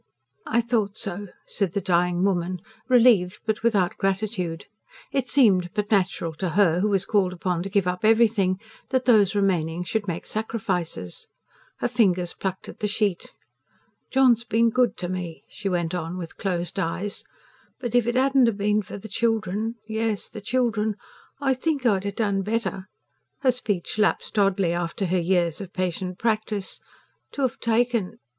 "I thought so," said the dying woman, relieved, but without gratitude: it seemed but natural to her, who was called upon to give up everything, that those remaining should make sacrifices. Her fingers plucked at the sheet. "John's been good to me," she went on, with closed eyes. "But... if it 'adn't been for the children ... yes, the children.... I think I'd 'a' done better " her speech lapsed oddly, after her years of patient practice "to 'ave taken